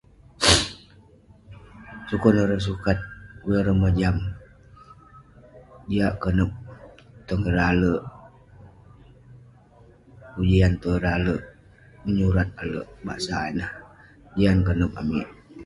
sukon ireh sukat, sukon ireh mojam, jiak konep..tong ireh alek ujian, tong ireh alek menyurat, alek basak ineh, jian konep amik